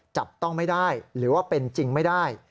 จับต้องไม่ได้หรือว่าเป็นจริงไม่ได้